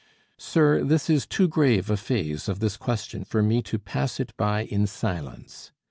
Sir, this is too grave a phase of this question for me to pass it by in silence.